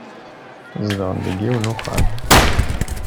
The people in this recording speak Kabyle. Zedɣen deg yiwen n uxxam.